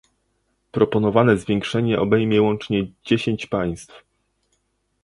Proponowane zwiększenie obejmie łącznie dziesięć państw